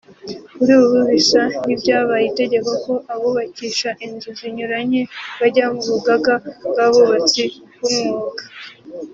Kuri ubu bisa n’ibyabaye itegeko ko abubakisha inzu zinyuranye bajya mu Rugaga rw’Abubatsi b’Umwuga